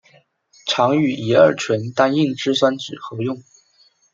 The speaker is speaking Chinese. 常与乙二醇单硬脂酸酯合用。